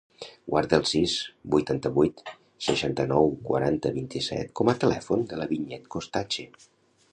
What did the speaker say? Guarda el sis, vuitanta-vuit, seixanta-nou, quaranta, vint-i-set com a telèfon de la Vinyet Costache.